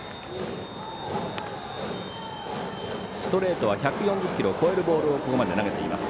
ストレートは１４０キロを超えるボールをここまで投げています。